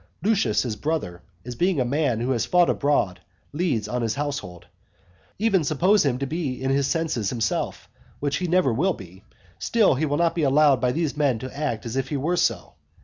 Lucius his brother, as being a man who has fought abroad, leads on his household. Even suppose him to be in his senses himself, which he never will be; still he will not be allowed by these men to act as if he were so.